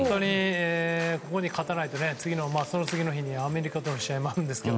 ここに勝たないと、その次の日にアメリカとの試合もあるんですけど。